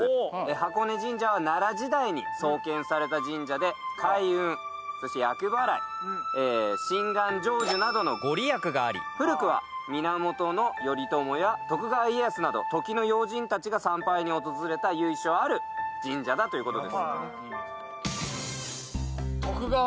箱根神社は奈良時代に創建された神社で開運そして厄払い心願成就などの御利益があり古くは源頼朝や徳川家康など時の要人たちが参拝に訪れた由緒ある神社だという事です。